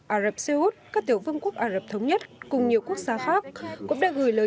ả rập xê út các tiểu vương quốc ả rập thống nhất cùng nhiều quốc gia khác cũng đã gửi lời